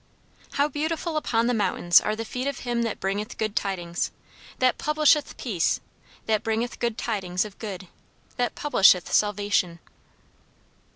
"How beautiful upon the mountains are the feet of him that bringeth good tidings: that publisheth peace: that bringeth good tidings of good: that publisheth salvation."